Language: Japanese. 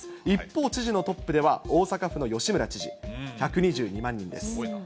一方、知事のトップでは、大阪府の吉村知事、１２２万人です。